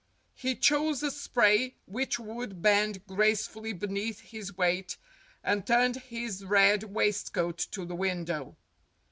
He chose a spray which would bend gracefully beneath his weight, and turned his red waistcoat to the window.